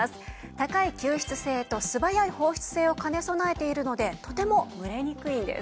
高い吸湿性と素早い放湿性を兼ね備えているのでとても蒸れにくいんです。